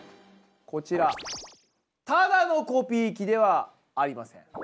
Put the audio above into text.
こちらただのコピー機ではありません。